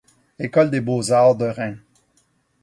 École des beaux-arts de Reims.